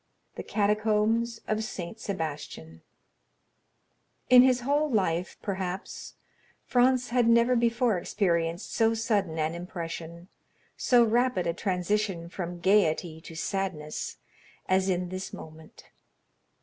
The Catacombs of Saint Sebastian In his whole life, perhaps, Franz had never before experienced so sudden an impression, so rapid a transition from gayety to sadness, as in this moment.